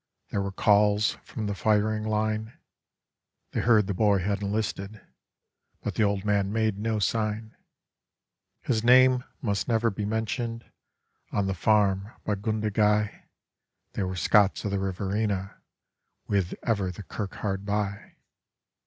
There were calls from the firing line; They heard the boy had enlisted, but the old man made no sign. His name must never be mentioned on the farm by Gundagai They were Scots of the Riverina with ever the kirk hard by.